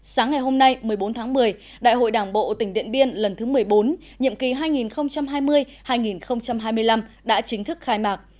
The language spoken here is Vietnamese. sáng ngày hôm nay một mươi bốn tháng một mươi đại hội đảng bộ tỉnh điện biên lần thứ một mươi bốn nhiệm kỳ hai nghìn hai mươi hai nghìn hai mươi năm đã chính thức khai mạc